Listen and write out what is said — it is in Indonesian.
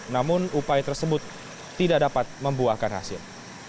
namun upaya tersebut tidak dapat membuahkan hasil